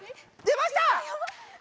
出ました！